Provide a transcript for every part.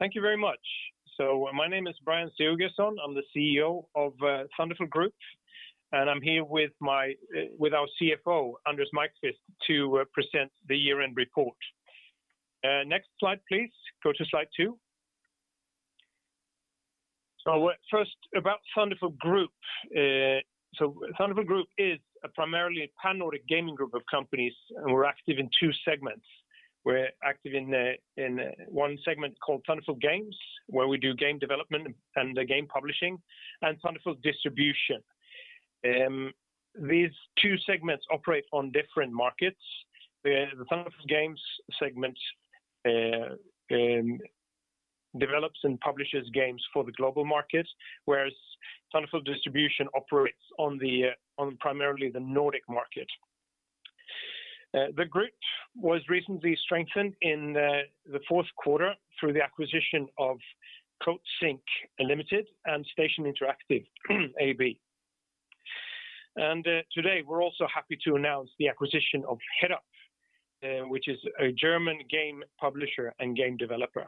Thank you very much. My name is Brjánn Sigurgeirsson. I'm the CEO of Thunderful Group, and I'm here with our CFO, Anders Maiqvist, to present the year-end report. Next slide, please. Go to slide two. First, about Thunderful Group. Thunderful Group is primarily a pan-Nordic gaming group of companies, and we're active in two segments. We're active in one segment called Thunderful Games, where we do game development and game publishing, and Thunderful Distribution. These two segments operate on different markets. The Thunderful Games segment develops and publishes games for the global market, whereas Thunderful Distribution operates on primarily the Nordic market. The group was recently strengthened in the fourth quarter through the acquisition of Coatsink Limited and Station Interactive AB. Today, we're also happy to announce the acquisition of Headup, which is a German game publisher and game developer.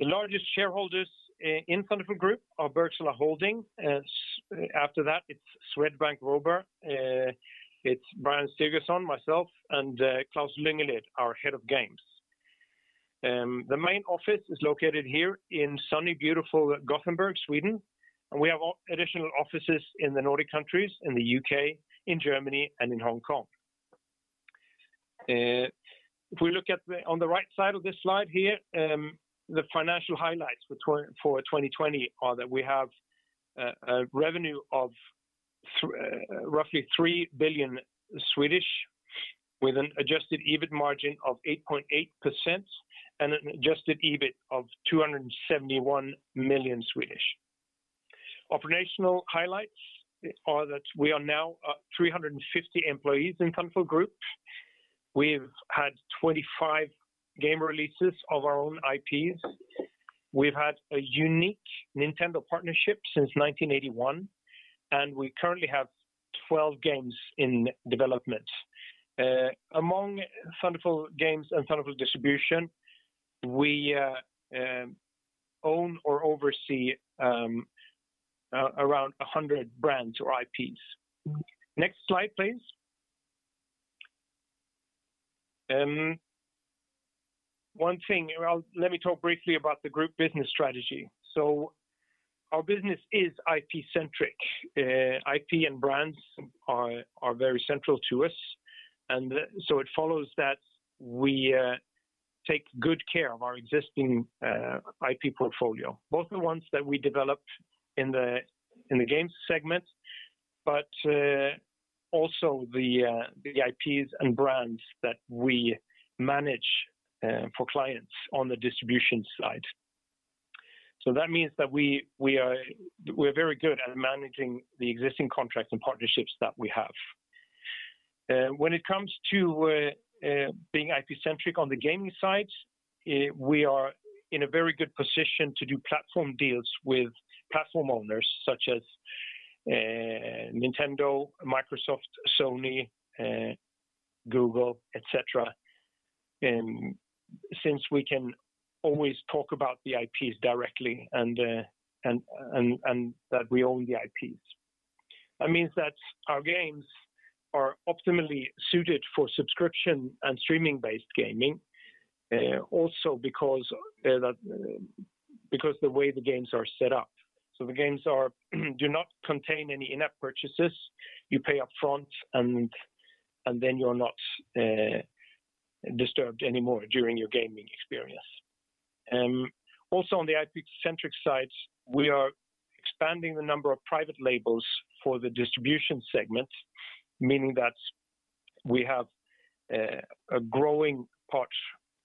The largest shareholders in Thunderful Group are Bergsala Holding, after that, it's Swedbank Robur, it's Brjánn Sigurgeirsson, myself, and Klaus Lyngeled, our head of games. The main office is located here in sunny, beautiful Gothenburg, Sweden. We have additional offices in the Nordic countries, in the U.K., in Germany, and in Hong Kong. If we look on the right side of this slide here, the financial highlights for 2020 are that we have a revenue of roughly 3 billion, with an adjusted EBIT margin of eight point eight percent and an adjusted EBIT of 271 million. Operational highlights are that we are now 350 employees in Thunderful Group. We've had 25 game releases of our own IPs. We've had a unique Nintendo partnership since 1981. We currently have 12 games in development. Among Thunderful Games and Thunderful Distribution, we own or oversee around 100 brands or IPs. Next slide, please. One thing, let me talk briefly about the group business strategy. Our business is IP-centric. IP and brands are very central to us. It follows that we take good care of our existing IP portfolio, both the ones that we develop in the games segment, but also the IPs and brands that we manage for clients on the distribution side. That means that we're very good at managing the existing contracts and partnerships that we have. When it comes to being IP-centric on the gaming side, we are in a very good position to do platform deals with platform owners such as Nintendo, Microsoft, Sony, Google, et cetera, since we can always talk about the IPs directly and that we own the IPs. That means that our games are optimally suited for subscription and streaming-based gaming, also because the way the games are set up. The games do not contain any in-app purchases. You pay upfront, and then you're not disturbed anymore during your gaming experience. On the IP-centric side, we are expanding the number of private labels for the distribution segment, meaning that we have a growing part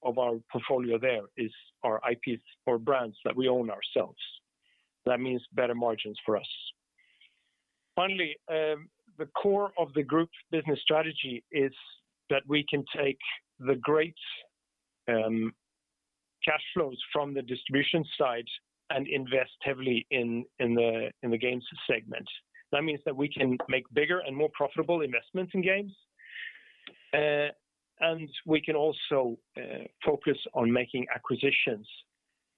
of our portfolio there is our IPs or brands that we own ourselves. That means better margins for us. Finally, the core of the group's business strategy is that we can take the great cash flows from the distribution side and invest heavily in the games segment. That means that we can make bigger and more profitable investments in games, and we can also focus on making acquisitions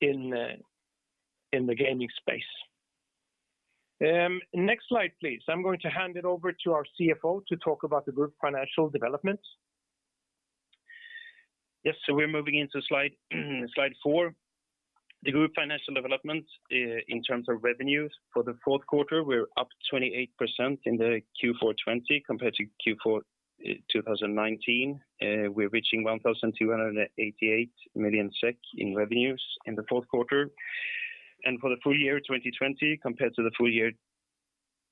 in the gaming space. Next slide, please. I'm going to hand it over to our CFO to talk about the group financial developments. We're moving into slide four. The group financial development in terms of revenues for the fourth quarter, we're up 28% in the Q4 2020 compared to Q4 2019. We're reaching 1,288 million SEK in revenues in the fourth quarter. For the full year 2020 compared to the full year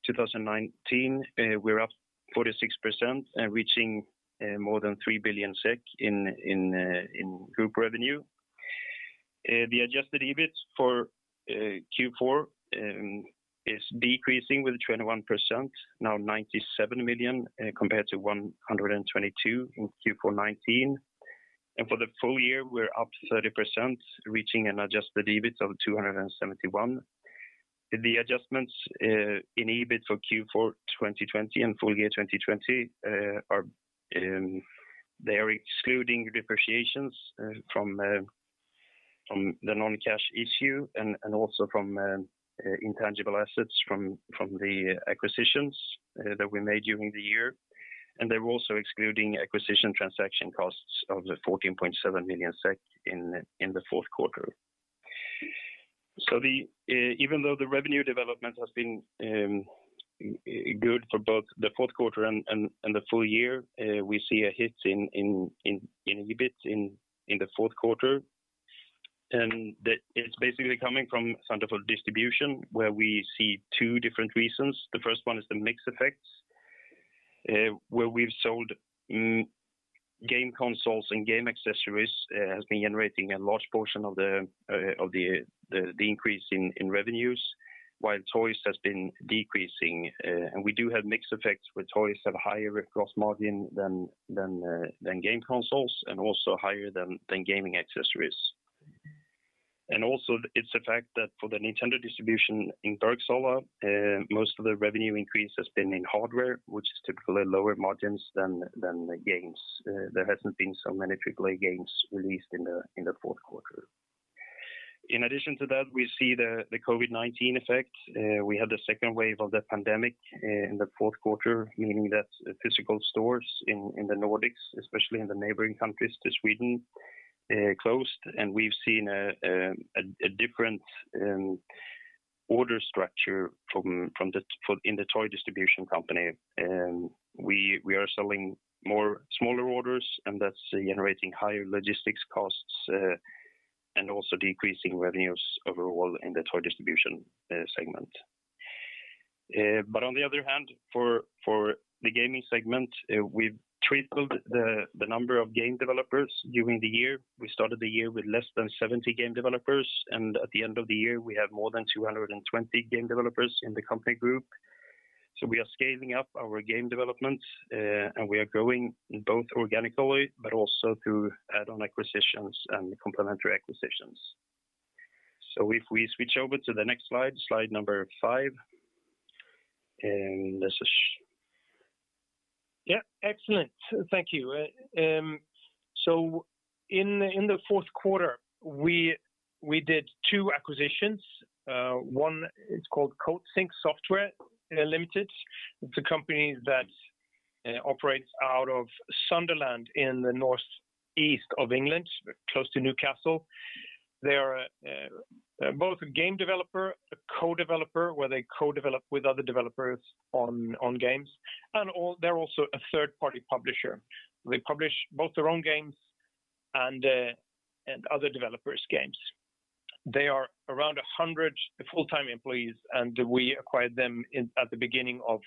2019, we're up 46% reaching more than 3 billion SEK in group revenue. The adjusted EBIT for Q4 is decreasing with 21%, now 97 million compared to 122 million in Q4 2019. For the full year, we're up 30%, reaching an adjusted EBIT of 271 million. The adjustments in EBIT for Q4 2020 and full year 2020, they are excluding depreciations from the non-cash item and also from intangible assets from the acquisitions that we made during the year. They're also excluding acquisition transaction costs of 14.7 million SEK in the fourth quarter. Even though the revenue development has been good for both the fourth quarter and the full year, we see a hit in EBIT in the fourth quarter. That it's basically coming from Thunderful Distribution, where we see two different reasons. The first one is the mix effects, where we've sold game consoles and game accessories, has been generating a large portion of the increase in revenues, while toys has been decreasing. We do have mix effects where toys have higher gross margin than game consoles and also higher than gaming accessories. Also, it's a fact that for the Nintendo distribution in Bergsala, most of the revenue increase has been in hardware, which is typically lower margins than games. There hasn't been so many AAA games released in the fourth quarter. In addition to that, we see the COVID-19 effect. We had the second wave of the pandemic in the fourth quarter, meaning that physical stores in the Nordics, especially in the neighboring countries to Sweden, closed, and we've seen a different order structure in the toy distribution company. We are selling more smaller orders, and that's generating higher logistics costs, and also decreasing revenues overall in the toy distribution segment. On the other hand, for the gaming segment, we've tripled the number of game developers during the year. We started the year with less than 70 game developers, and at the end of the year, we have more than 220 game developers in the company group. We are scaling up our game development, and we are growing both organically, but also through add-on acquisitions and complementary acquisitions. If we switch over to the next slide number five. Yeah, excellent. Thank you. In the fourth quarter, we did two acquisitions. One is called Coatsink Software Limited. It's a company that operates out of Sunderland in the northeast of England, close to Newcastle. They are both a game developer, a co-developer, where they co-develop with other developers on games, and they're also a third-party publisher. They publish both their own games and other developers' games. They are around 100 full-time employees, and we acquired them at the beginning of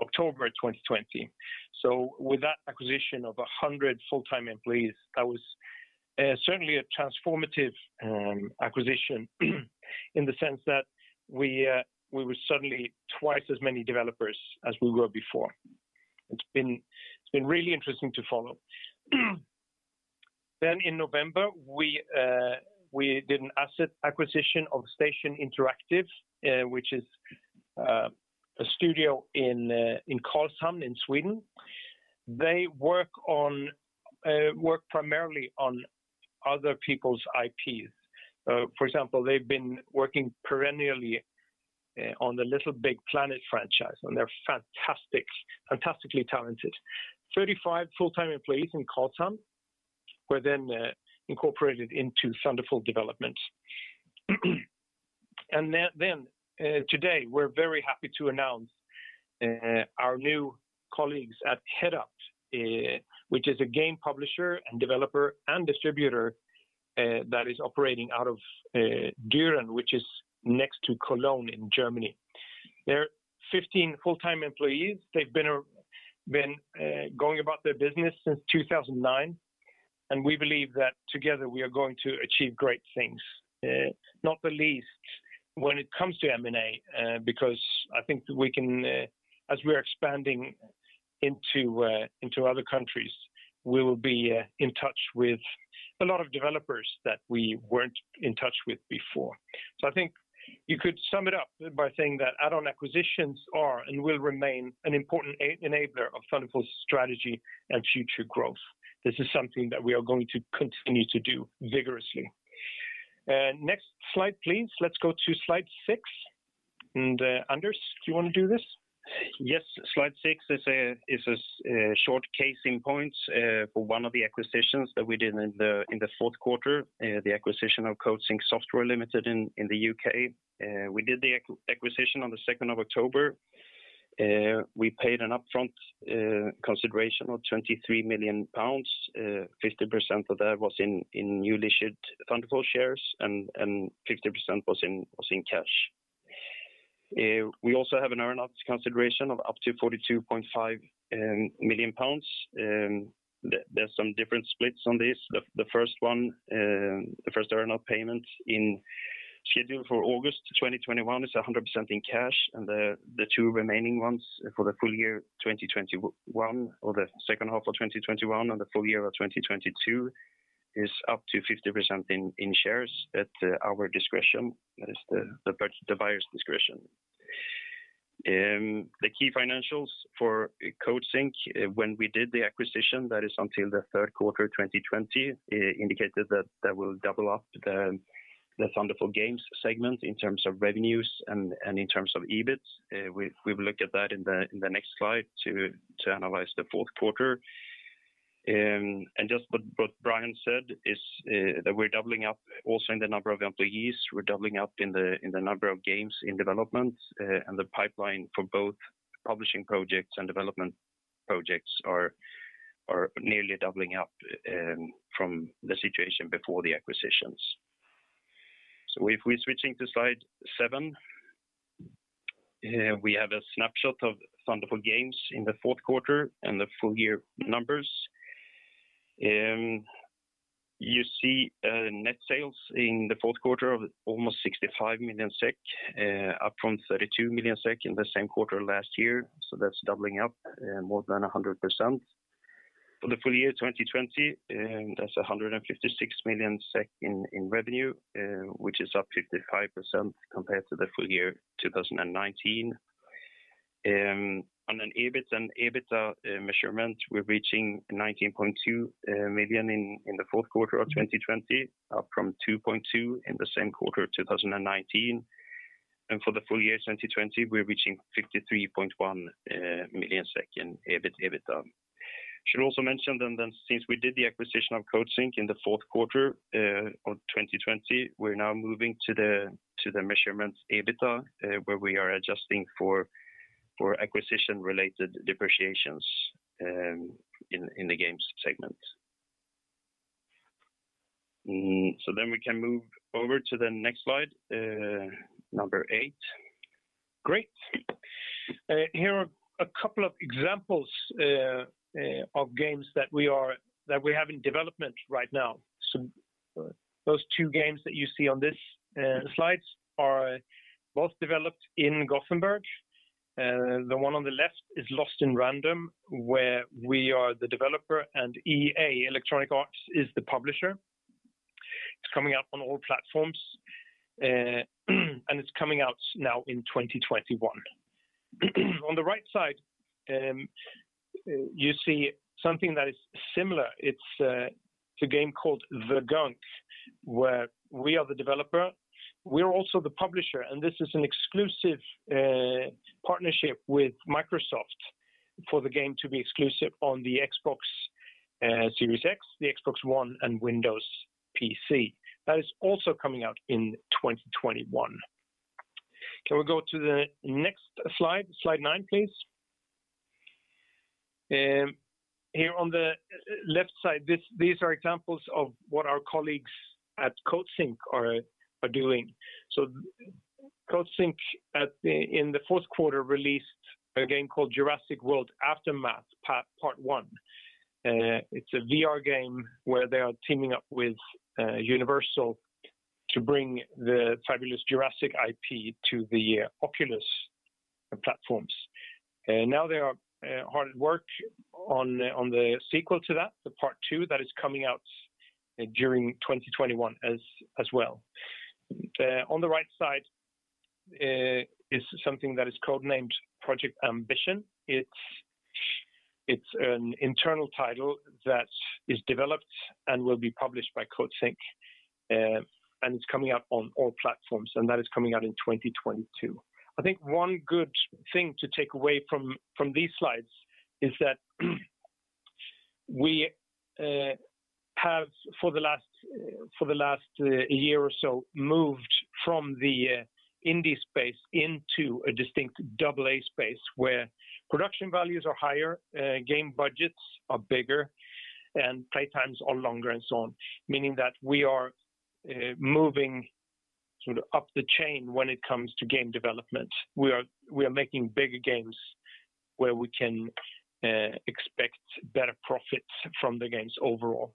October 2020. With that acquisition of 100 full-time employees, that was certainly a transformative acquisition in the sense that we were suddenly twice as many developers as we were before. It's been really interesting to follow. In November, we did an asset acquisition of Station Interactive, which is a studio in Karlshamn in Sweden. They work primarily on other people's IPs. For example, they've been working perennially on the LittleBigPlanet franchise, and they're fantastically talented. 35 full-time employees in Karlshamn were then incorporated into Thunderful Development. Today, we're very happy to announce our new colleagues at Headup, which is a game publisher and developer and distributor that is operating out of Düren which is next to Cologne in Germany. They're 15 full-time employees. They've been going about their business since 2009, and we believe that together we are going to achieve great things, not the least when it comes to M&A, because I think as we're expanding into other countries, we will be in touch with a lot of developers that we weren't in touch with before. I think you could sum it up by saying that add-on acquisitions are and will remain an important enabler of Thunderful's strategy and future growth. This is something that we are going to continue to do vigorously. Next slide, please. Let's go to slide six. Anders, do you want to do this? Yes. Slide six is a short case in point for one of the acquisitions that we did in the fourth quarter, the acquisition of Coatsink Software Limited in the U.K. We did the acquisition on the 2nd of October. We paid an upfront consideration of 23 million pounds. 50% of that was in newly issued Thunderful shares, and 50% was in cash. We also have an earn-out consideration of up to 42.5 million pounds. There's some different splits on this. The first earn-out payment scheduled for August 2021 is 100% in cash, and the two remaining ones for the full year 2021 or the second half of 2021 and the full year of 2022 is up to 50% in shares at our discretion. That is the buyer's discretion. The key financials for Coatsink when we did the acquisition, that is until the third quarter of 2020, indicated that that will double up the Thunderful Games segment in terms of revenues and in terms of EBIT. We will look at that in the next slide to analyze the fourth quarter. Just what Brjann said is that we're doubling up also in the number of employees. We're doubling up in the number of games in development, and the pipeline for both publishing projects and development projects are nearly doubling up from the situation before the acquisitions. If we're switching to slide seven, we have a snapshot of Thunderful Games in the fourth quarter and the full-year numbers. You see net sales in the fourth quarter of almost 65 million SEK, up from 32 million SEK in the same quarter last year. That's doubling up more than 100%. For the full year 2020, that's 156 million SEK in revenue, which is up 55% compared to the full year 2019. On an EBIT and EBITDA measurement, we're reaching 19.2 million in the fourth quarter of 2020, up from 2.2 million in the same quarter 2019. For the full year 2020, we're reaching 53.1 million in EBIT, EBITDA. Should also mention that since we did the acquisition of Coatsink in the fourth quarter of 2020, we're now moving to the measurements EBITDA, where we are adjusting for acquisition-related depreciations in the games segment. We can move over to the next slide, number eight. Great. Here are a couple of examples of games that we have in development right now. Those two games that you see on this slide are both developed in Gothenburg. The one on the left is "Lost in Random," where we are the developer and EA, Electronic Arts, is the publisher. It's coming out on all platforms, and it's coming out now in 2021. On the right side, you see something that is similar. It's a game called "The Gunk," where we are the developer. We are also the publisher, and this is an exclusive partnership with Microsoft for the game to be exclusive on the Xbox Series X, the Xbox One, and Windows PC. That is also coming out in 2021. Can we go to the next slide nine, please? Here on the left side, these are examples of what our colleagues at Coatsink are doing. Coatsink, in the fourth quarter, released a game called "Jurassic World Aftermath: Part One." It's a VR game where they are teaming up with Universal to bring the fabulous Jurassic IP to the Oculus platforms. They are hard at work on the sequel to that, the Part Two, that is coming out during 2021 as well. On the right side is something that is codenamed Project Ambition. It's an internal title that is developed and will be published by Coatsink, and it's coming out on all platforms, and that is coming out in 2022. I think one good thing to take away from these slides is that we have, for the last year or so, moved from the indie space into a distinct AA space where production values are higher, game budgets are bigger, and play times are longer, and so on. Meaning that we are moving up the chain when it comes to game development. We are making bigger games where we can expect better profits from the games overall.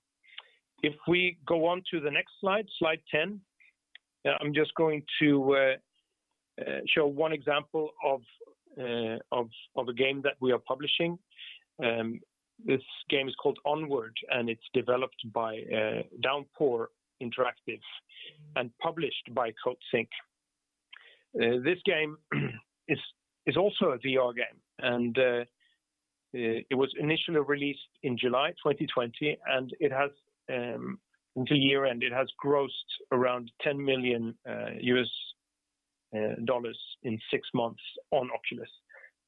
If we go on to the next slide 10, I'm just going to show one example of a game that we are publishing. This game is called "Onward," it's developed by Downpour Interactive and published by Coatsink. This game is also a VR game, it was initially released in July 2020, until year-end, it has grossed around $10 million in six months on Meta Quest.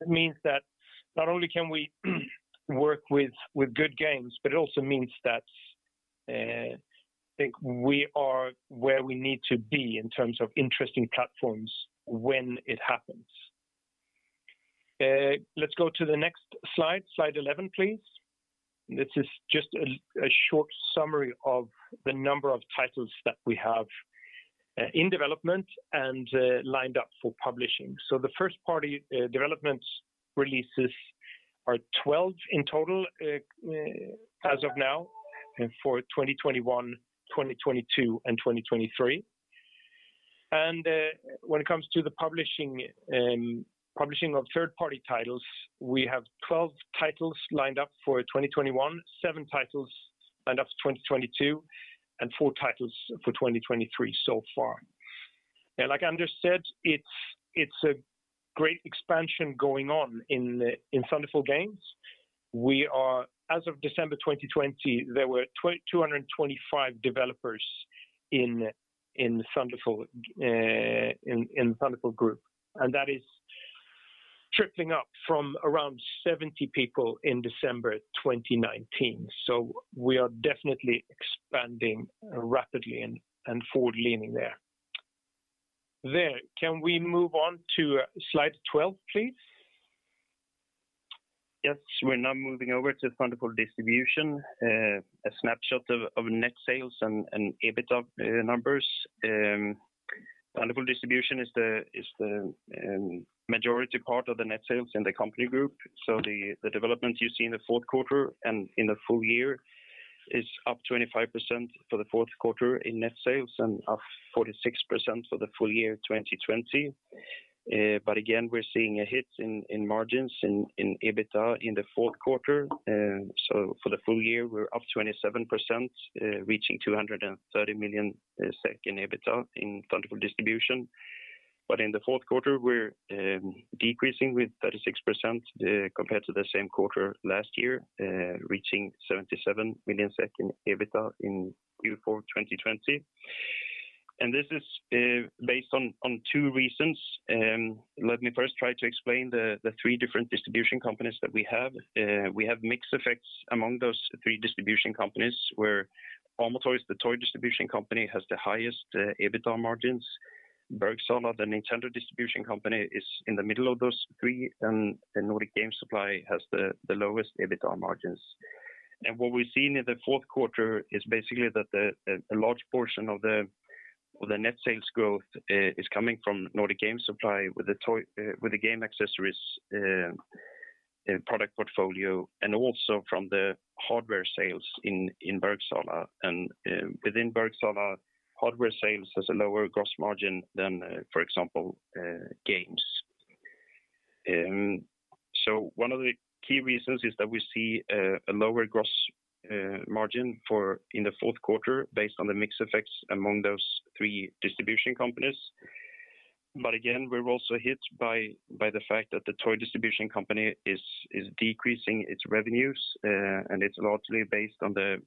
It means that not only can we work with good games, it also means that I think we are where we need to be in terms of interesting platforms when it happens. Let's go to the next slide 11, please. This is just a short summary of the number of titles that we have in development and lined up for publishing. The first-party development releases are 12 in total as of now for 2021, 2022, and 2023. When it comes to the publishing of third-party titles, we have 12 titles lined up for 2021, seven titles lined up for 2022, and four titles for 2023 so far. Like Anders said, it's a great expansion going on in Thunderful Games. As of December 2020, there were 225 developers in Thunderful Group, and that is tripling up from around 70 people in December 2019. We are definitely expanding rapidly and forward-leaning there. Can we move on to slide 12, please? We're now moving over to Thunderful Distribution, a snapshot of net sales and EBITDA numbers. Thunderful Distribution is the majority part of the net sales in the company group. The development you see in the fourth quarter and in the full year is up 25% for the fourth quarter in net sales and up 46% for the full year 2020. Again, we're seeing a hit in margins in EBITDA in the fourth quarter. For the full year, we're up 27%, reaching 230 million SEK in EBITDA in Thunderful Distribution. In the fourth quarter, we're decreasing with 36% compared to the same quarter last year, reaching 77 million in EBITDA in Q4 2020. This is based on two reasons. Let me first try to explain the three different distribution companies that we have. We have mixed effects among those three distribution companies where Amo Toys, the toy distribution company, has the highest EBITDA margins. Bergsala, the Nintendo distribution company, is in the middle of those three, and Nordic Game Supply has the lowest EBITDA margins. What we're seeing in the fourth quarter is basically that a large portion of the net sales growth is coming from Nordic Game Supply with the game accessories product portfolio, and also from the hardware sales in Bergsala. Within Bergsala, hardware sales has a lower gross margin than, for example, games. One of the key reasons is that we see a lower gross margin in the fourth quarter based on the mix effects among those three distribution companies. Again, we're also hit by the fact that the toy distribution company is decreasing its revenues, and it's largely based on the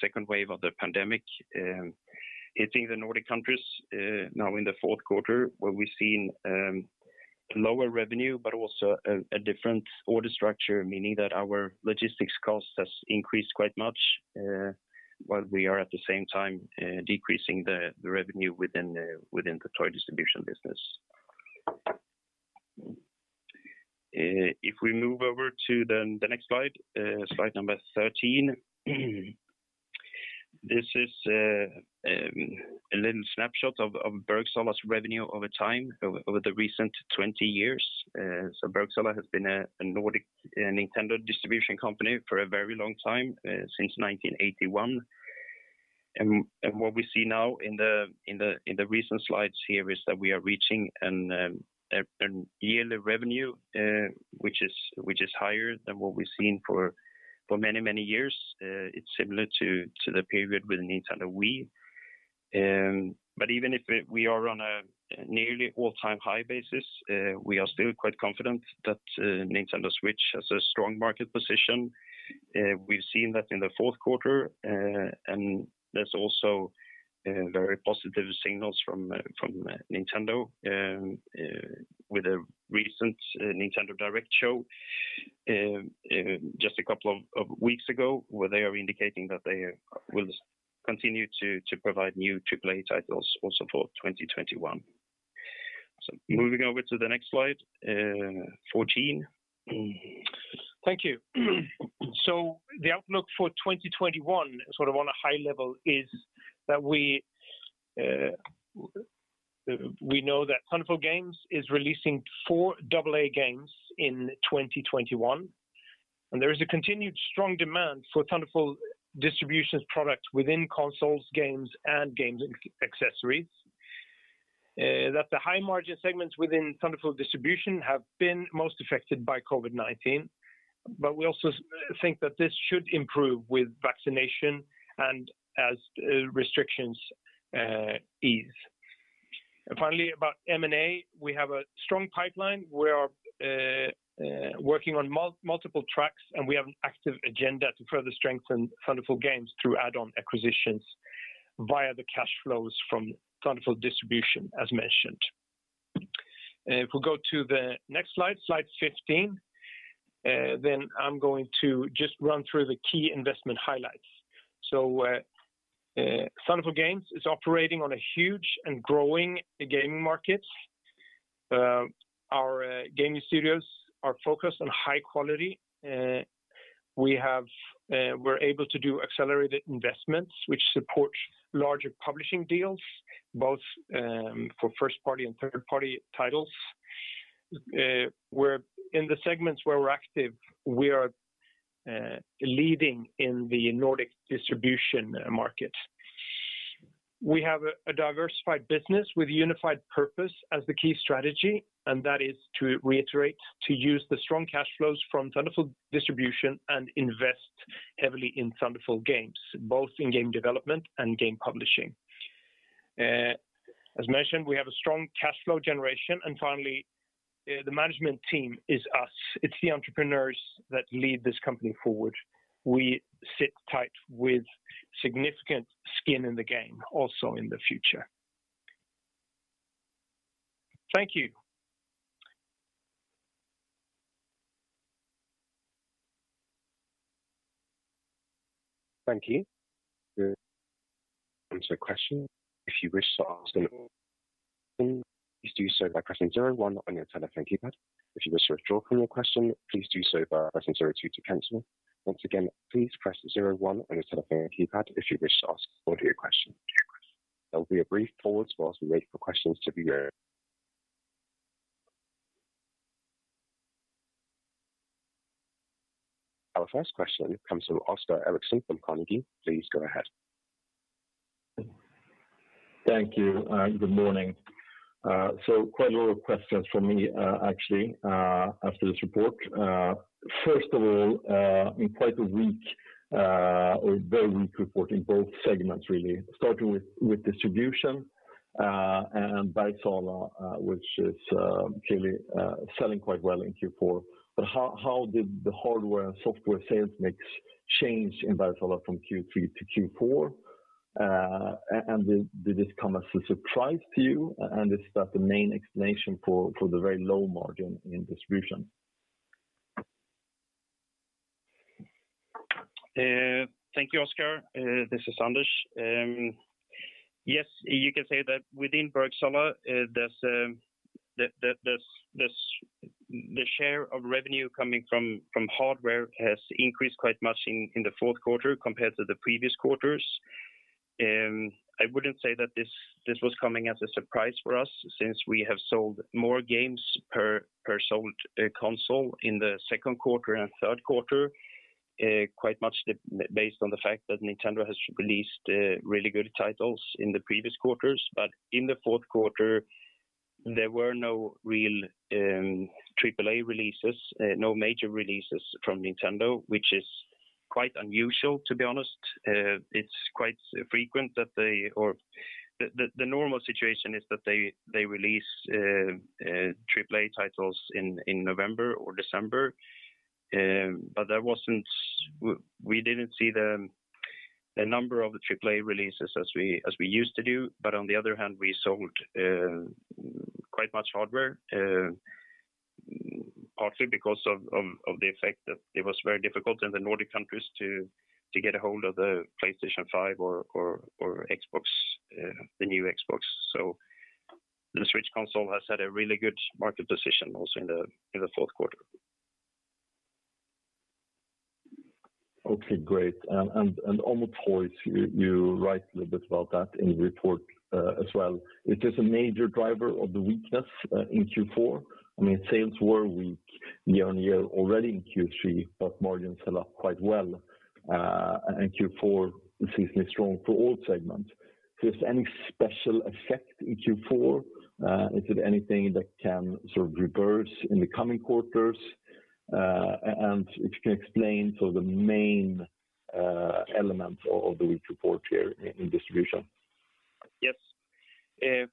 second wave of the pandemic hitting the Nordic countries now in the fourth quarter, where we've seen lower revenue, but also a different order structure, meaning that our logistics cost has increased quite much, while we are at the same time decreasing the revenue within the toy distribution business. If we move over to the next slide 13, this is a little snapshot of Bergsala revenue over time, over the recent 20 years. Bergsala has been a Nordic Nintendo distribution company for a very long time, since 1981. What we see now in the recent slides here is that we are reaching a yearly revenue which is higher than what we've seen for many, many years. It's similar to the period with Nintendo Wii. Even if we are on a nearly all-time high basis, we are still quite confident that Nintendo Switch has a strong market position. We've seen that in the fourth quarter, there are also very positive signals from Nintendo with a recent Nintendo Direct show just a couple of weeks ago, where they are indicating that they will continue to provide new AAA titles also for 2021. Moving over to the next slide, 14. Thank you. The outlook for 2021, sort of on a high level, is that we know that Thunderful Games is releasing four AA games in 2021, and there is a continued strong demand for Thunderful Distribution products within consoles, games, and game accessories. The high-margin segments within Thunderful Distribution have been most affected by COVID-19. We also think that this should improve with vaccination and as restrictions ease. Finally, about M&A, we have a strong pipeline. We are working on multiple tracks, and we have an active agenda to further strengthen Thunderful Games through add-on acquisitions via the cash flows from Thunderful Distribution, as mentioned. If we go to the next slide 15, then I'm going to just run through the key investment highlights. Thunderful Games is operating on a huge and growing gaming market. Our gaming studios are focused on high quality. We're able to do accelerated investments, which support larger publishing deals, both for first-party and third-party titles In the segments where we're active, we are leading in the Nordic distribution market. We have a diversified business with unified purpose as the key strategy, and that is to reiterate, to use the strong cash flows from Thunderful Distribution and invest heavily in Thunderful Games, both in game development and game publishing. As mentioned, we have a strong cash flow generation. Finally, the management team is us. It's the entrepreneurs that lead this company forward. We sit tight with significant skin in the game also in the future. Thank you. Thank you. Answer question. If you wish to ask an please do so by pressing zero one on your telephone keypad. If you wish to withdraw from your question, please do so by pressing zero two to cancel. Once again, please press zero one on your telephone keypad if you wish to ask audio question. There will be a brief pause while we wait for questions to be heard. Our first question comes from Oskar Eriksson from Carnegie. Please go ahead. Thank you. Good morning. Quite a lot of questions for me actually after this report. First of all, in quite a weak or very weak report in both segments really, starting with distribution and Bergsala which is clearly selling quite well in Q4. How did the hardware and software sales mix change in Bergsala from Q3 to Q4? Did this come as a surprise to you? Is that the main explanation for the very low margin in distribution? Thank you, Oskar. This is Anders. Yes, you can say that within Bergsala, the share of revenue coming from hardware has increased quite much in the fourth quarter compared to the previous quarters. I wouldn't say that this was coming as a surprise for us since we have sold more games per sold console in the second quarter and third quarter, quite much based on the fact that Nintendo has released really good titles in the previous quarters. In the fourth quarter, there were no real AAA releases, no major releases from Nintendo, which is quite unusual, to be honest. The normal situation is that they release AAA titles in November or December. We didn't see the number of AAA releases as we used to do. On the other hand, we sold quite much hardware, partly because of the effect that it was very difficult in the Nordic countries to get a hold of the PlayStation 5 or the new Xbox. The Switch console has had a really good market position also in the fourth quarter. Okay, great. On Amo Toys, you write a little bit about that in the report as well. It is a major driver of the weakness in Q4. Sales were weak year-on-year already in Q3, but margins held up quite well, and Q4 is seasonally strong for all segments. Is there any special effect in Q4? Is it anything that can sort of reverse in the coming quarters? If you can explain sort of the main elements of the weak report here in distribution. Yes.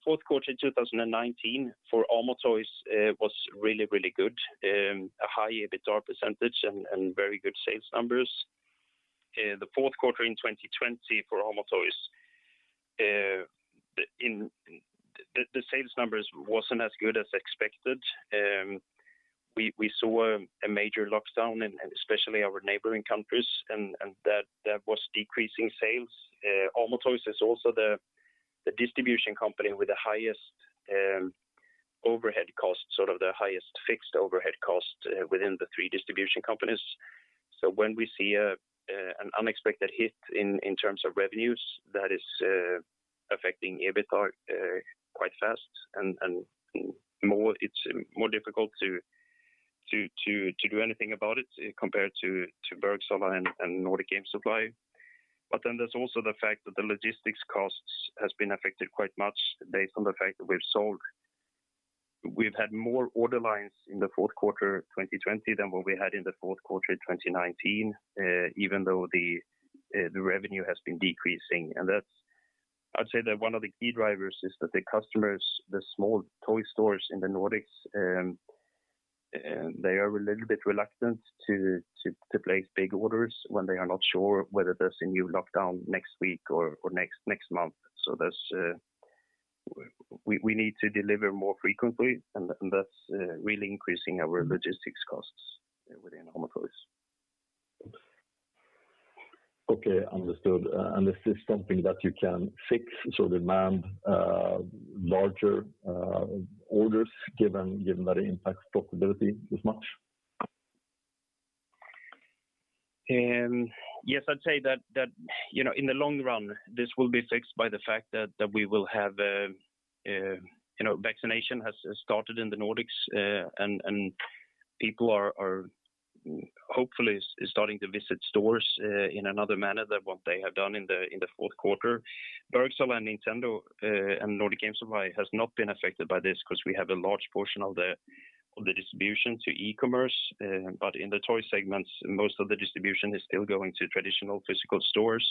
Fourth quarter 2019 for Amo Toys was really good. A high EBITDA percentage and very good sales numbers. Fourth quarter in 2020 for Amo Toys, the sales numbers wasn't as good as expected. We saw a major lockdown in especially our neighboring countries, and that was decreasing sales. Amo Toys is also the distribution company with the highest overhead cost, sort of the highest fixed overhead cost within the three distribution companies. When we see an unexpected hit in terms of revenues, that is affecting EBITDA quite fast and it's more difficult to do anything about it compared to Bergsala and Nordic Game Supply. There's also the fact that the logistics costs has been affected quite much based on the fact that we've had more order lines in the fourth quarter 2020 than what we had in the fourth quarter 2019, even though the revenue has been decreasing. I'd say that one of the key drivers is that the customers, the small toy stores in the Nordics, they are a little bit reluctant to place big orders when they are not sure whether there's a new lockdown next week or next month. We need to deliver more frequently, and that's really increasing our logistics costs within Amo Toys. Okay, understood. Is this something that you can fix, so demand larger orders given that it impacts profitability this much? Yes, I'd say that in the long run, this will be fixed by the fact that vaccination has started in the Nordics, and people are hopefully starting to visit stores in another manner than what they have done in the fourth quarter. Bergsala and Nintendo and Nordic Game Supply has not been affected by this because we have a large portion of the distribution to e-commerce. In the toy segments, most of the distribution is still going to traditional physical stores.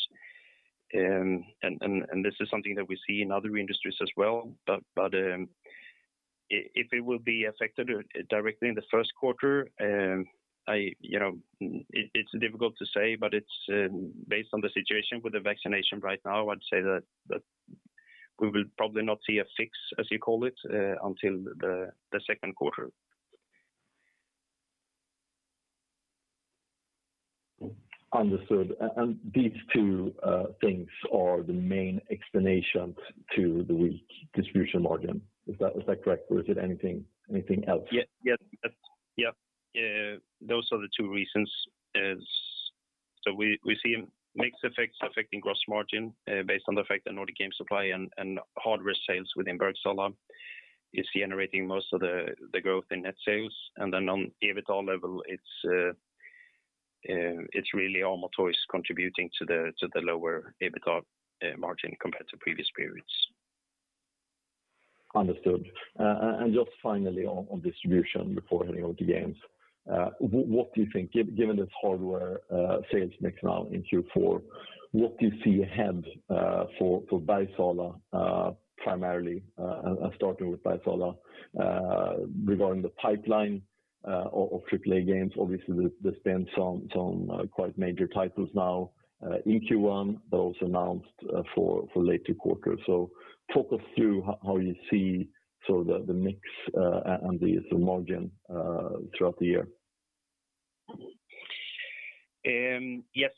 This is something that we see in other industries as well. If it will be affected directly in the first quarter, it's difficult to say, but based on the situation with the vaccination right now, I'd say that we will probably not see a fix, as you call it, until the second quarter. Understood. These two things are the main explanation to the weak distribution margin. Is that correct, or is it anything else? Those are the two reasons. We see mix effects affecting gross margin based on the fact that Nordic Game Supply and hardware sales within Bergsala is generating most of the growth in net sales. On EBITDA level, it's really Amo Toys contributing to the lower EBITDA margin compared to previous periods. Understood. Just finally on distribution before heading over to games. What do you think, given this hardware sales mix now in Q4, what do you see ahead for Bergsala primarily, starting with Bergsala, regarding the pipeline of AAA games? Obviously, they spent on quite major titles now in Q1, but also announced for later quarters. Talk us through how you see the mix and the margin throughout the year. Yes.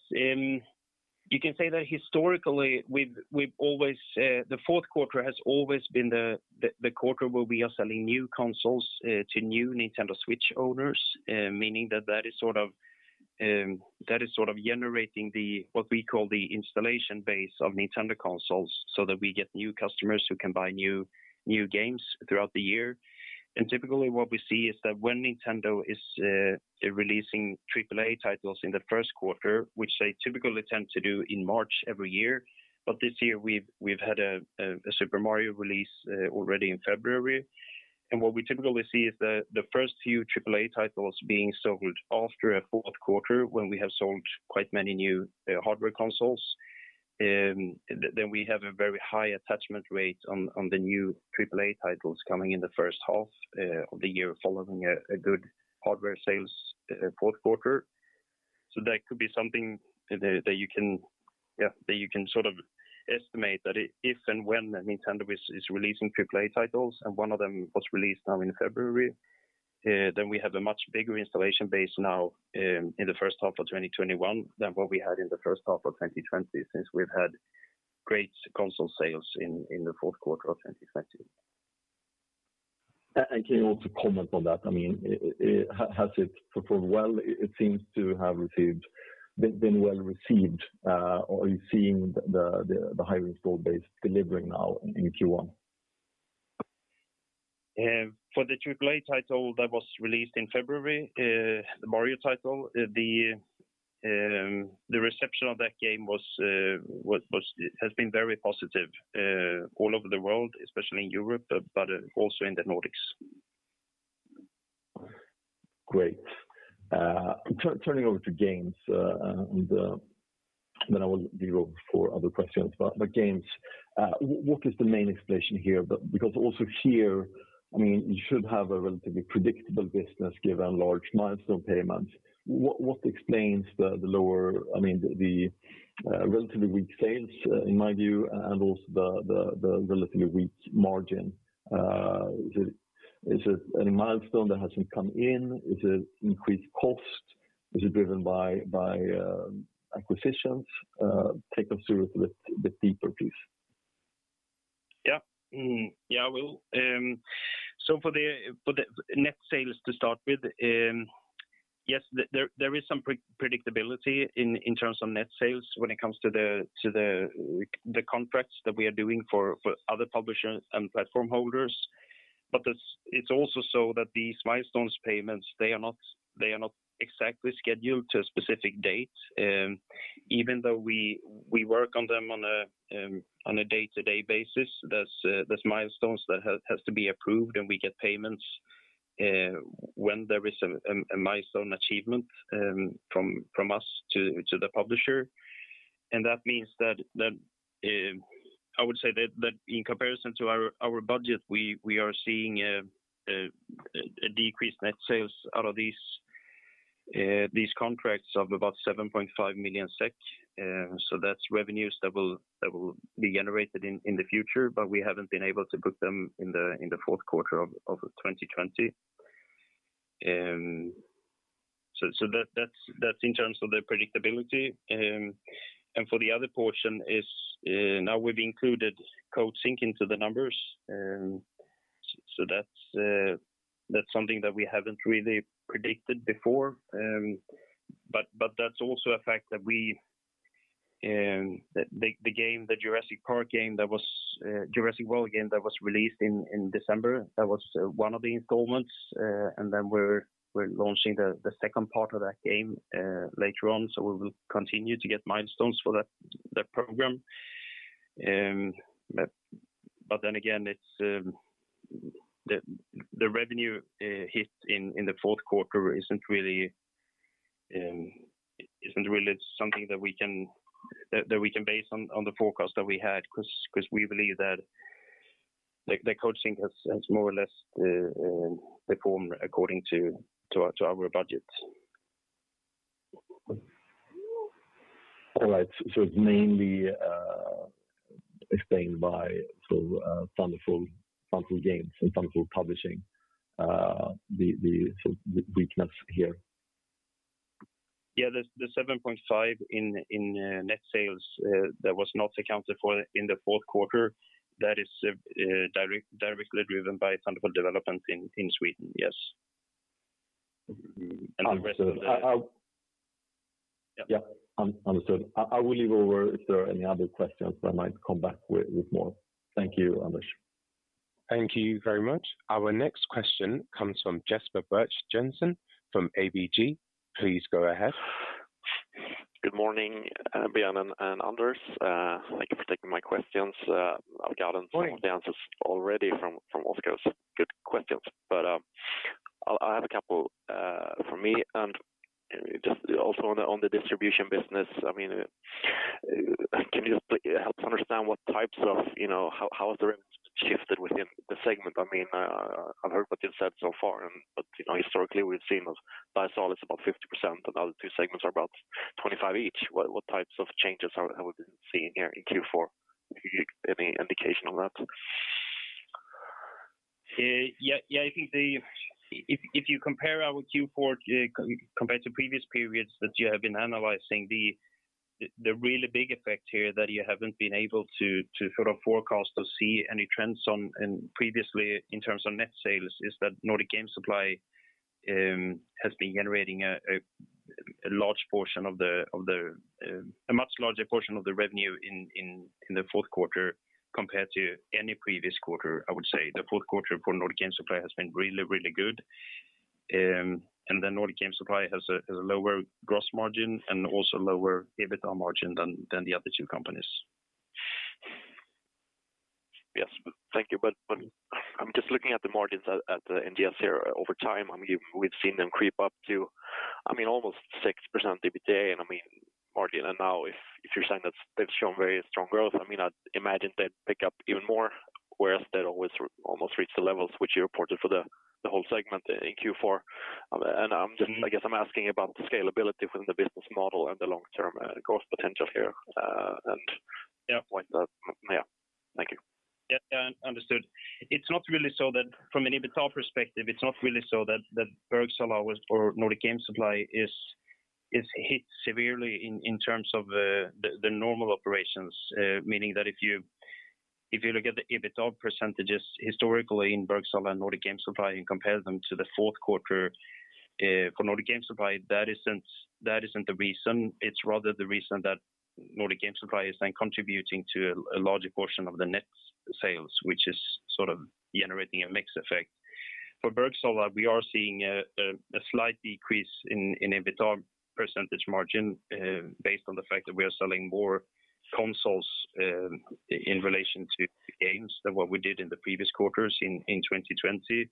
You can say that historically, the fourth quarter has always been the quarter where we are selling new consoles to new Nintendo Switch owners, meaning that is generating what we call the installation base of Nintendo consoles so that we get new customers who can buy new games throughout the year. Typically what we see is that when Nintendo is releasing AAA titles in the first quarter, which they typically tend to do in March every year, but this year we've had a Super Mario release already in February. What we typically see is the first few AAA titles being sold after a fourth quarter when we have sold quite many new hardware consoles. We have a very high attachment rate on the new AAA titles coming in the first half of the year following a good hardware sales fourth quarter. That could be something that you can estimate that if and when Nintendo is releasing AAA titles, and one of them was released now in February, then we have a much bigger installation base now in the first half of 2021 than what we had in the first half of 2020 since we've had great console sales in the fourth quarter of 2020. Can you also comment on that? Has it performed well? It seems to have been well-received. Are you seeing the high installation base delivering now in Q1? For the AAA title that was released in February, the Mario title, the reception of that game has been very positive all over the world, especially in Europe, but also in the Nordics. Great. Then I will leave you for other questions. Games, what is the main explanation here? Also here, you should have a relatively predictable business given large milestone payments. What explains the relatively weak sales, in my view, and also the relatively weak margin? Is it any milestone that hasn't come in? Is it increased cost? Is it driven by acquisitions? Take us through it a bit deeper, please. Yeah, I will. For the net sales to start with, yes, there is some predictability in terms of net sales when it comes to the contracts that we are doing for other publishers and platform holders. It's also so that these milestones payments, they are not exactly scheduled to a specific date, even though we work on them on a day-to-day basis. There's milestones that has to be approved. We get payments when there is a milestone achievement from us to the publisher. That means that I would say that in comparison to our budget, we are seeing a decreased net sales out of these contracts of about 7.5 million SEK. That's revenues that will be generated in the future. We haven't been able to book them in the fourth quarter of 2020. That's in terms of the predictability. For the other portion is now we've included Coatsink into the numbers. That's something that we haven't really predicted before. That's also a fact that the Jurassic World game that was released in December, that was one of the installments. Then we're launching the second part of that game later on, so we will continue to get milestones for that program. Again, the revenue hit in the fourth quarter isn't really something that we can base on the forecast that we had because we believe that the Coatsink has more or less performed according to our budget. All right. It's mainly explained by Thunderful Games and Thunderful Publishing, the weakness here. Yeah, the 7.5 in net sales that was not accounted for in the fourth quarter, that is directly driven by Thunderful Development in Sweden, yes. Understood. Yeah. Yeah, understood. I will leave over if there are any other questions, but I might come back with more. Thank you, Anders. Thank you very much. Our next question comes from Jesper Birch-Jensen from ABG. Please go ahead. Good morning, Brjánn and Anders. Thank you for taking my questions. Good morning. some of the answers already from Oskar's good questions, but I have a couple from me. Just also on the distribution business, can you help to understand how has the revenue shifted within the segment? I've heard what you've said so far, but historically we've seen Bergsala is about 50% and the other two segments are about 25% each. What types of changes have we been seeing here in Q4? Any indication on that? I think if you compare our Q4 compared to previous periods that you have been analyzing, the really big effect here that you haven't been able to forecast or see any trends on previously in terms of net sales is that Nordic Game Supply has been generating a much larger portion of the revenue in the fourth quarter compared to any previous quarter, I would say. The fourth quarter for Nordic Game Supply has been really, really good. Nordic Game Supply has a lower gross margin and also lower EBITDA margin than the other two companies. Yes. Thank you. I'm just looking at the margins at the NGS here over time. We've seen them creep up to almost six percent EBITDA and margin. Now if you're saying that they've shown very strong growth, I'd imagine they'd pick up even more, whereas they'd always almost reach the levels which you reported for the whole segment in Q4. I guess I'm asking about the scalability within the business model and the long-term growth potential here. Yeah whatnot. Yeah. Thank you. Understood. From an EBITDA perspective, it is not really so that Bergsala or Nordic Game Supply is hit severely in terms of the normal operations. Meaning that if you look at the EBITDA percentages historically in Bergsala and Nordic Game Supply and compare them to the fourth quarter for Nordic Game Supply, that is not the reason. It is rather the reason that Nordic Game Supply is then contributing to a larger portion of the net sales, which is generating a mix effect. For Bergsala, we are seeing a slight decrease in EBITDA percentage margin based on the fact that we are selling more consoles in relation to games than what we did in the previous quarters in 2020.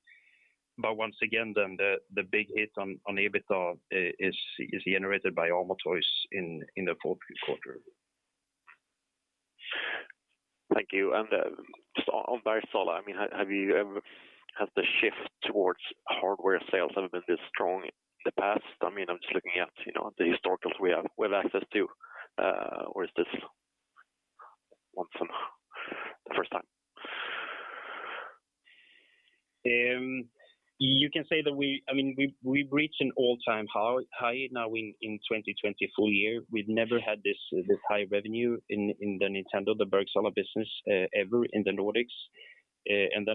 Once again, then the big hit on EBITDA is generated by Amo Toys in the fourth quarter. Thank you. Just on Bergsala, has the shift towards hardware sales ever been this strong in the past? I'm just looking at the historicals we have access to. Is this the first time? You can say that we've reached an all-time high now in 2020 full year. We've never had this high revenue in the Nintendo, the Bergsala business ever in the Nordics.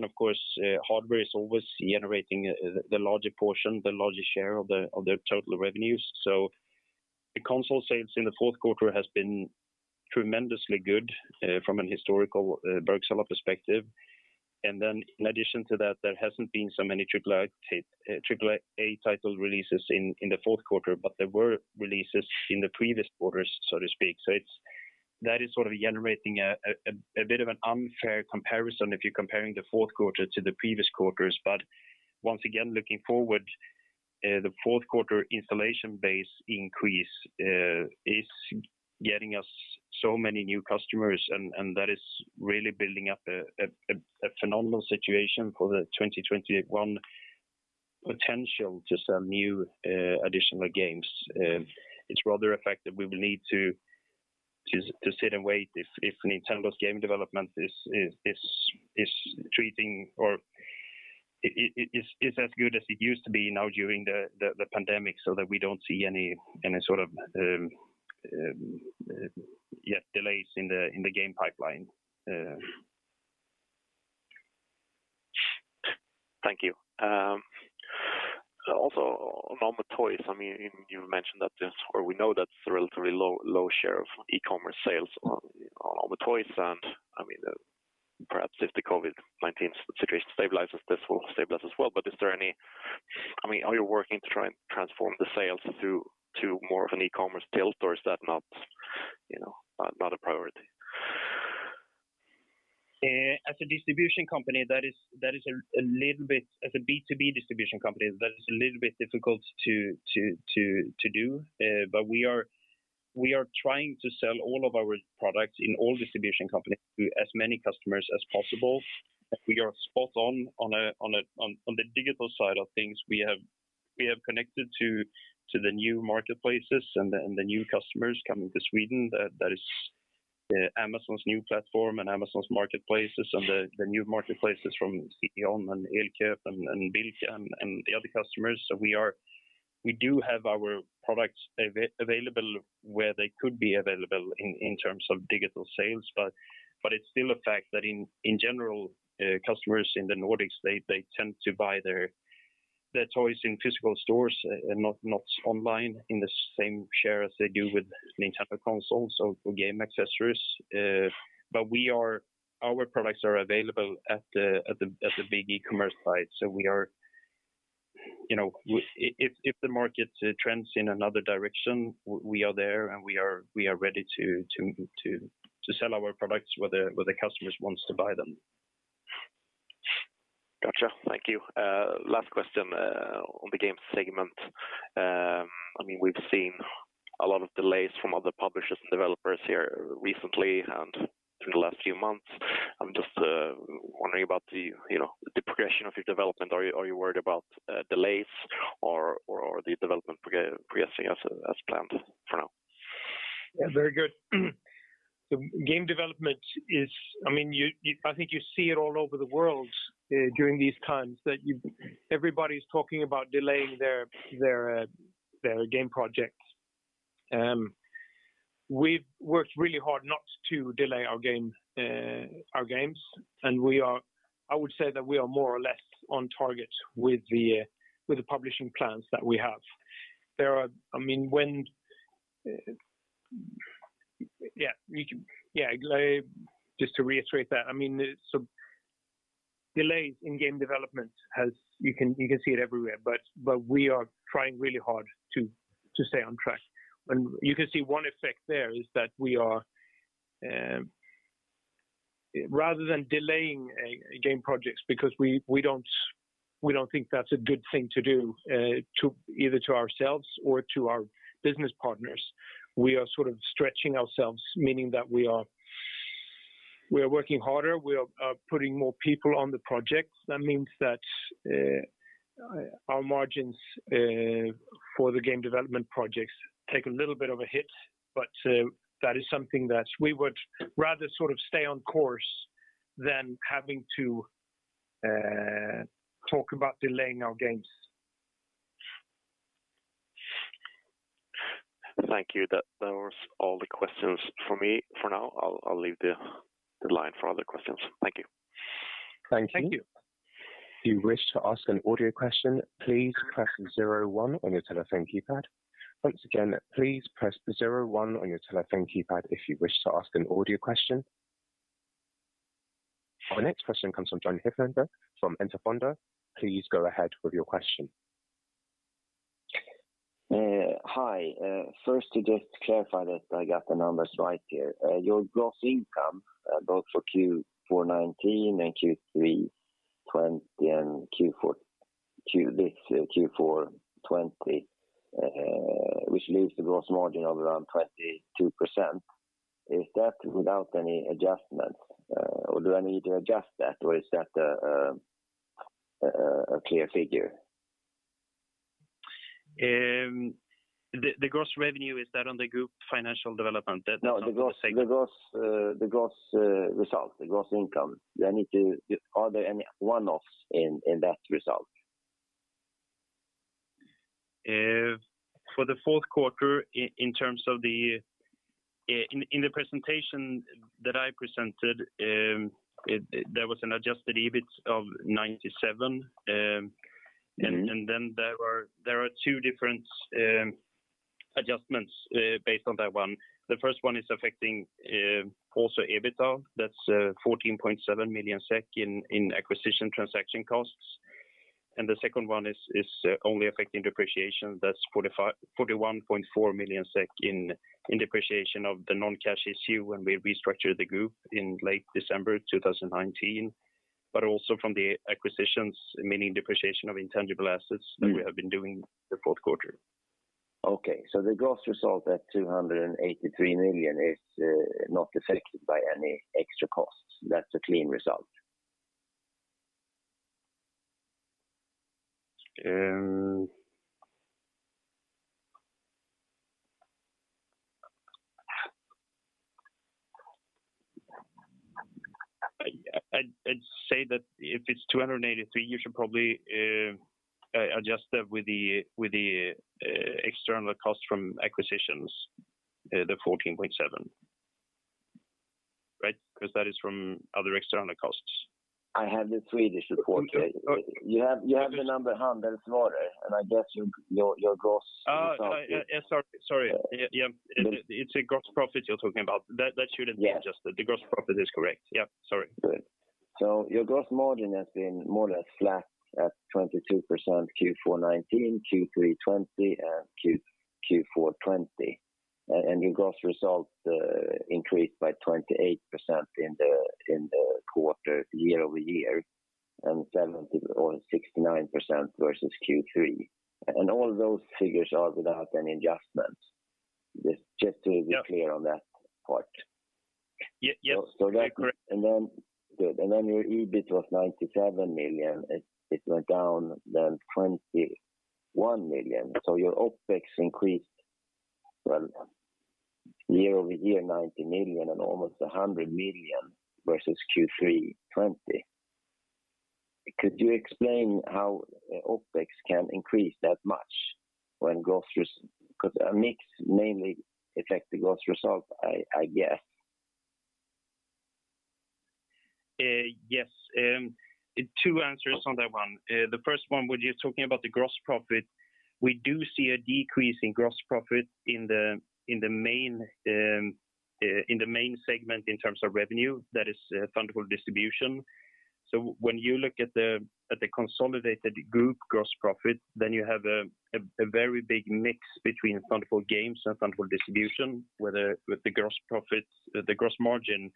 Of course, hardware is always generating the larger portion, the larger share of their total revenues. The console sales in the fourth quarter has been tremendously good from an historical Bergsala perspective. In addition to that, there hasn't been so many AAA title releases in the fourth quarter, but there were releases in the previous quarters, so to speak. That is sort of generating a bit of an unfair comparison if you're comparing the fourth quarter to the previous quarters. Once again, looking forward, the fourth quarter installation base increase is getting us so many new customers, and that is really building up a phenomenal situation for the 2021 potential to sell new additional games. It's rather a fact that we will need to sit and wait if Nintendo's game development is as good as it used to be now during the pandemic, so that we don't see any sort of delays in the game pipeline. Thank you. On the toys, you mentioned that or we know that it's a relatively low share of e-commerce sales on the toys. Perhaps if the COVID-19 situation stabilizes, this will stabilize as well. Are you working to try and transform the sales to more of an e-commerce tilt, or is that not a priority? As a B2B distribution company, that is a little bit difficult to do. We are trying to sell all of our products in all distribution companies to as many customers as possible. We are spot on the digital side of things. We have connected to the new marketplaces and the new customers coming to Sweden. That is Amazon's new platform and Amazon's marketplaces and the new marketplaces from CDON and Elkjöp and Bilka and the other customers. We do have our products available where they could be available in terms of digital sales. It's still a fact that in general, customers in the Nordics, they tend to buy their toys in physical stores and not online in the same share as they do with any type of consoles or game accessories. Our products are available at the big e-commerce sites. If the market trends in another direction, we are there, and we are ready to sell our products where the customers want to buy them. Got you. Thank you. Last question on the game segment. We've seen a lot of delays from other publishers and developers here recently and through the last few months. I'm just wondering about the progression of your development. Are you worried about delays or the development progressing as planned for now? Yeah, very good. Game development I think you see it all over the world during these times that everybody's talking about delaying their game projects. We've worked really hard not to delay our games. I would say that we are more or less on target with the publishing plans that we have. Just to reiterate that, delays in game development, you can see it everywhere. We are trying really hard to stay on track. You can see one effect there is that rather than delaying game projects because we don't think that's a good thing to do either to ourselves or to our business partners. We are sort of stretching ourselves, meaning that we are working harder. We are putting more people on the projects. That means that our margins for the game development projects take a little bit of a hit, but that is something that we would rather stay on course than having to talk about delaying our games. Thank you. Those are all the questions from me for now. I'll leave the line for other questions. Thank you. Thank you. Thank you. If you wish to ask an audio question, please press zero one on your telephone keypad. Once again, please press zero one on your telephone keypad if you wish to ask an audio question. Our next question comes from Jon Hyltner from Enter Fonder. Please go ahead with your question. Hi. First to just clarify that I got the numbers right here. Your gross income both for Q4 2019 and Q3 2020 and this Q4 2020, which leaves the gross margin of around 22%. Is that without any adjustments or do I need to adjust that, or is that a clear figure? The gross revenue, is that on the group financial development? That is on the segment. No, the gross result, the gross income. Are there any one-offs in that result? For the fourth quarter, in the presentation that I presented, there was an adjusted EBIT of SEK 97. There are two different adjustments based on that one. The first one is affecting also EBITDA. That's 14.7 million SEK in acquisition transaction costs. The second one is only affecting depreciation. That's 41.4 million SEK in depreciation of the non-cash item when we restructured the group in late December 2019, but also from the acquisitions, meaning depreciation of intangible assets that we have been doing the fourth quarter. Okay. The gross result at 283 million is not affected by any extra costs. That's a clean result? I'd say that if it's 283, you should probably adjust that with the external cost from acquisitions, the 14.7, right? That is from other external costs. I have the Swedish report. You have the number 100 smaller, and I guess your gross result. Sorry. It's the gross profit you're talking about. That shouldn't be adjusted. Yes. The gross profit is correct. Yeah, sorry. Good. Your gross margin has been more or less flat at 22% Q4 2019, Q3 2020, and Q4 2020. Your gross result increased by 28% in the quarter year-over-year, and 70% or 69% versus Q3. All those figures are without any adjustments. Just to be clear on that part. Yes, correct. Good. Your EBIT was 97 million. It went down 21 million. Your OpEx increased year-over-year, 90 million and almost 100 million versus Q3 2020. Could you explain how OpEx can increase that much when mix mainly affect the gross result, I guess? Yes. Two answers on that one. The first one where you're talking about the gross profit, we do see a decrease in gross profit in the main segment in terms of revenue, that is Thunderful Distribution. When you look at the consolidated group gross profit, then you have a very big mix between Thunderful Games and Thunderful Distribution, where the gross margin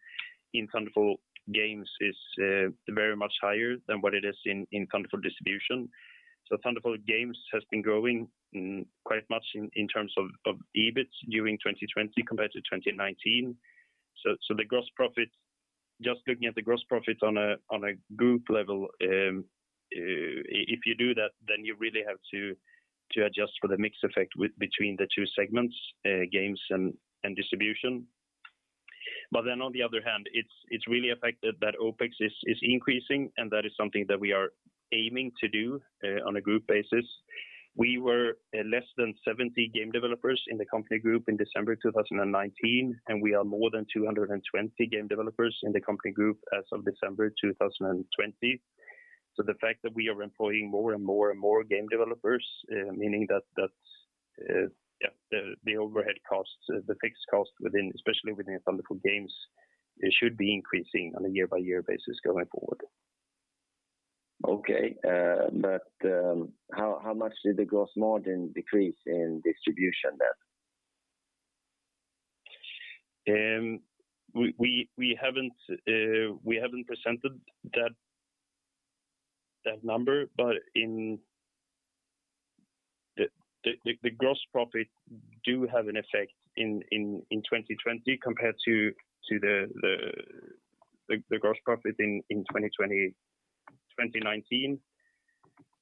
in Thunderful Games is very much higher than what it is in Thunderful Distribution. Thunderful Games has been growing quite much in terms of EBIT during 2020 compared to 2019. Just looking at the gross profit on a group level, if you do that, then you really have to adjust for the mix effect between the two segments, games and distribution. On the other hand, it's really affected that OpEx is increasing, and that is something that we are aiming to do on a group basis. We were less than 70 game developers in the company group in December 2019, and we are more than 220 game developers in the company group as of December 2020. The fact that we are employing more and more game developers, meaning that the overhead costs, the fixed costs, especially within Thunderful Games, should be increasing on a year-by-year basis going forward. Okay. How much did the gross margin decrease in distribution then? We haven't presented that number. The gross profit do have an effect in 2020 compared to the gross profit in 2019.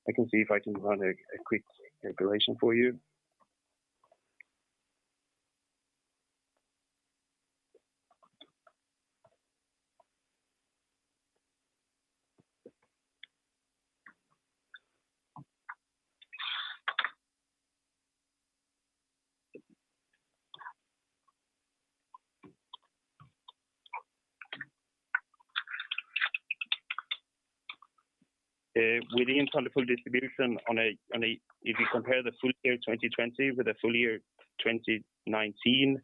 I can see if I can run a quick calculation for you. Within Thunderful Distribution, if you compare the full year 2020 with the full year 2019,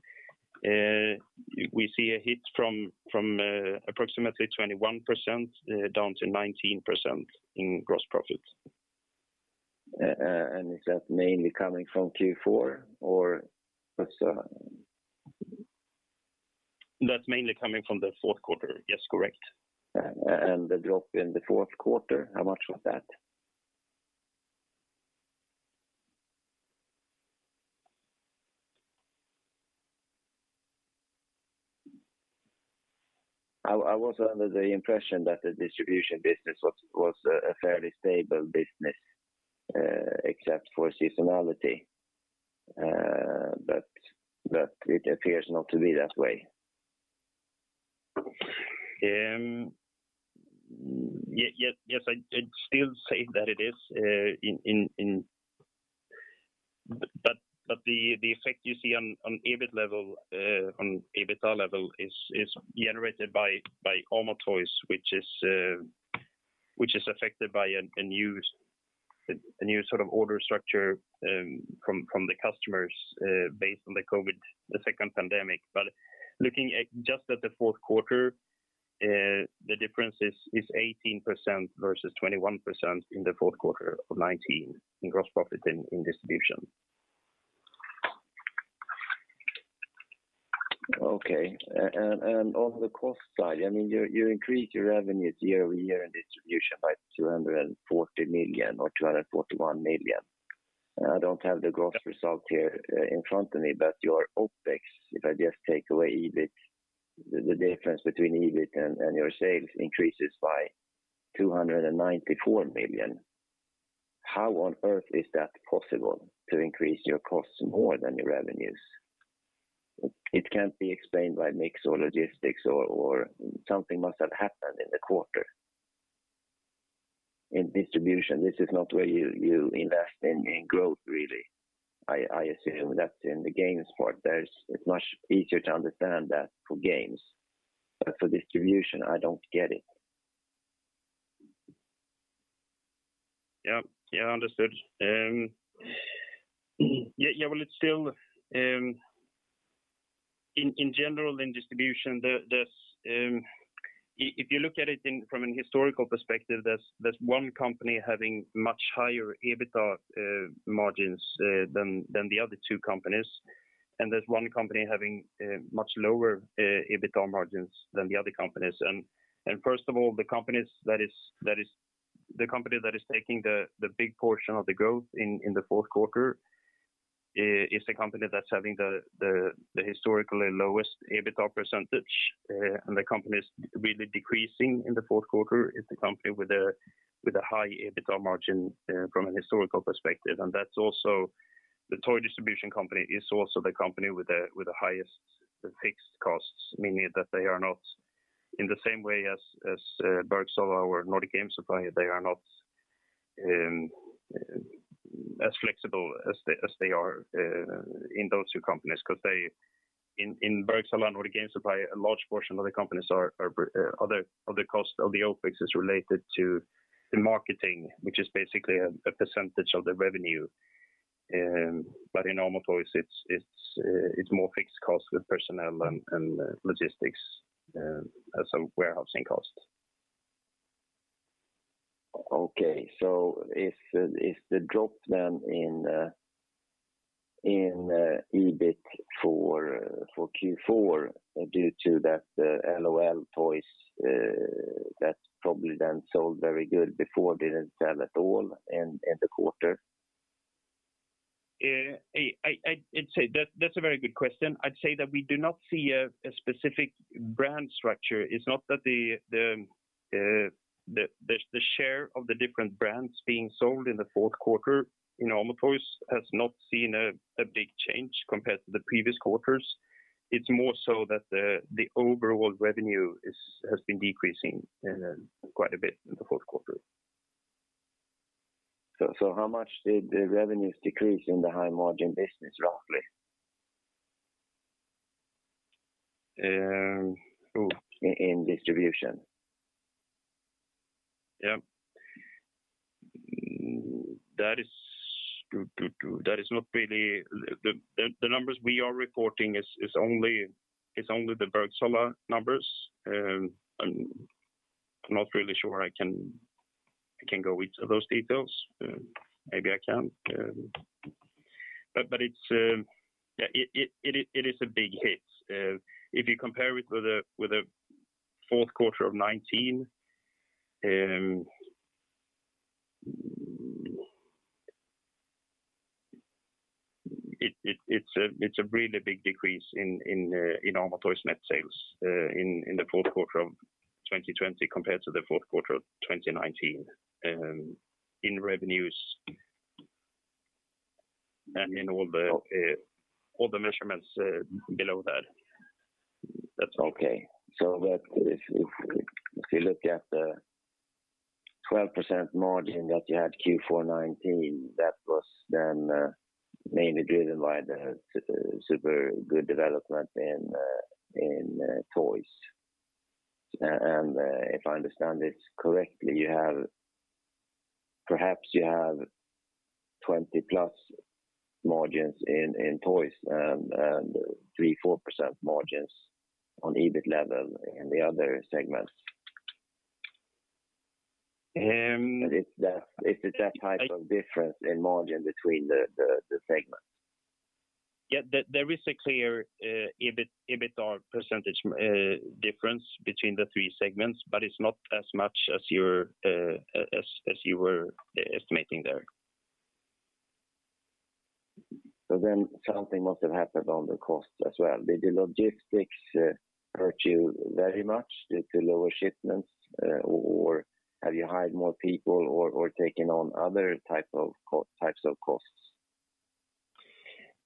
we see a hit from approximately 21% to 19% in gross profit. Is that mainly coming from Q4? That's mainly coming from the fourth quarter. Yes, correct. The drop in the fourth quarter, how much was that? I was under the impression that the distribution business was a fairly stable business except for seasonality, but it appears not to be that way. I'd still say that it is, but the effect you see on EBITDA level is generated by Amo Toys, which is affected by a new sort of order structure from the customers based on the COVID-19, the second pandemic. Looking just at the fourth quarter, the difference is 18% versus 21% in the fourth quarter of 2019 in gross profit in distribution. Okay. On the cost side, you increased your revenues year-over-year in Distribution by 240 million or 241 million. I don't have the gross result here in front of me, but your OpEx, if I just take away EBIT, the difference between EBIT and your sales increases by 294 million. How on earth is that possible to increase your costs more than your revenues? It can't be explained by mix or logistics. Something must have happened in the quarter. In Distribution, this is not where you invest in growth, really. I assume that's in the Games part. It's much easier to understand that for Games, but for Distribution, I don't get it. Yeah. Understood. In general, in distribution, if you look at it from an historical perspective, there's one company having much higher EBITDA margins than the other two companies, there's one company having much lower EBITDA margins than the other companies. First of all, the company that is taking the big portion of the growth in the fourth quarter is the company that's having the historically lowest EBITDA percentage. The company that's really decreasing in the fourth quarter is the company with a high EBITDA margin from an historical perspective. The toy distribution company is also the company with the highest fixed costs, meaning that they are not in the same way as Bergsala or Nordic Game Supply, they are not as flexible as they are in those two companies because in Bergsala and Nordic Game Supply, a large portion of the costs of the OpEx is related to the marketing, which is basically a percentage of the revenue. In Amo Toys, it's more fixed costs with personnel and logistics and some warehousing costs. Okay. Is the drop then in EBIT for Q4 due to that L.O.L. toys that probably then sold very good before, didn't sell at all in the quarter? That's a very good question. I'd say that we do not see a specific brand structure. It's not that the share of the different brands being sold in the fourth quarter in Amo Toys has not seen a big change compared to the previous quarters. It's more so that the overall revenue has been decreasing quite a bit in the fourth quarter. How much did the revenues decrease in the high margin business, roughly? In distribution. Yeah. The numbers we are reporting is only the Bergsala numbers. I'm not really sure I can go into those details. Maybe I can. It is a big hit. If you compare it with the fourth quarter of 2019, it's a really big decrease in Amo Toys net sales in the fourth quarter of 2020 compared to the fourth quarter of 2019 in revenues and in all the measurements below that. Okay. If you look at the 12% margin that you had Q4 2019, that was then mainly driven by the super good development in toys. If I understand this correctly, perhaps you have 20plus margins in toys and three, four percent margins on EBIT level in the other segments. If it's that type of difference in margin between the segments. Yeah, there is a clear EBITDA percentage difference between the three segments, but it's not as much as you were estimating there. Something must have happened on the cost as well. Did the logistics hurt you very much due to lower shipments, or have you hired more people, or taken on other types of costs?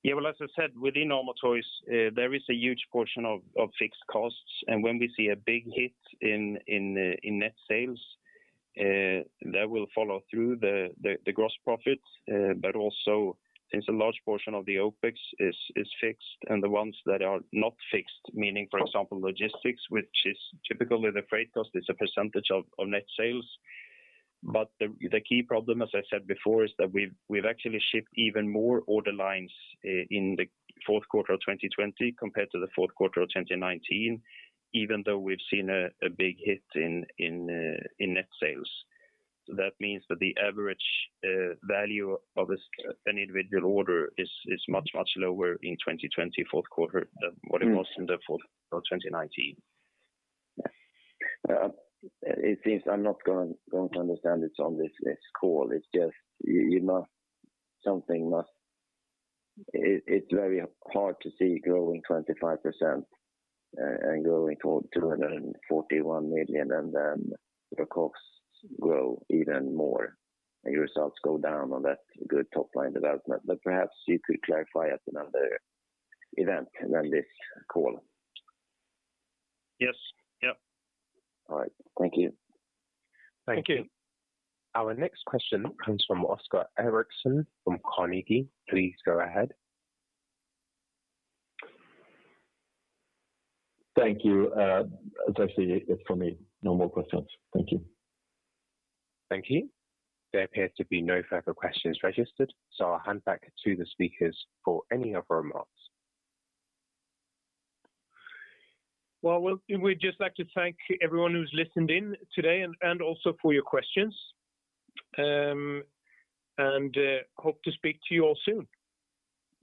Yeah, as I said, within Amo Toys, there is a huge portion of fixed costs. When we see a big hit in net sales, that will follow through the gross profit. Also since a large portion of the OpEx is fixed and the ones that are not fixed, meaning, for example, logistics, which is typically the freight cost, is a percentage of net sales. The key problem, as I said before, is that we've actually shipped even more order lines in the fourth quarter of 2020 compared to the fourth quarter of 2019, even though we've seen a big hit in net sales. That means that the average value of an individual order is much lower in 2020 fourth quarter than what it was in the fourth quarter of 2019. It seems I'm not going to understand it on this call. It's very hard to see growing 25% and growing toward 241 million, and then your costs grow even more, and your results go down on that good top-line development. Perhaps you could clarify at another event than this call. Yes. Yep. All right. Thank you. Thank you. Our next question comes from Oskar Eriksson from Carnegie. Please go ahead. Thank you. It's actually for me. No more questions. Thank you. Thank you. There appears to be no further questions registered, I'll hand back to the speakers for any other remarks. Well, we'd just like to thank everyone who's listened in today and also for your questions, and hope to speak to you all soon.